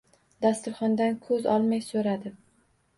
Dasturxondan ko‘z olmay so‘radi: